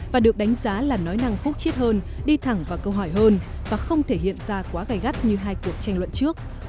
và được đánh giá là nói năng khúc chiết hơn đi thẳng vào câu hỏi hơn và không thể hiện ra quá gai gắt như hai cuộc tranh luận trước